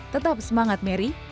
tetap semangat mary